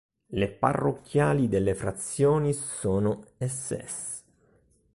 Le parrocchiali delle frazioni sono: Ss.